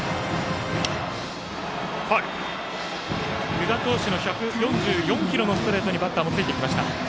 湯田投手の１４４キロのストレートにバッターもついていきました。